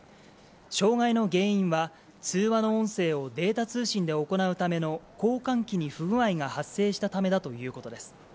障害の原因は、通話の音声をデータ通信で行うための交換機に不具合が発生したためだということです。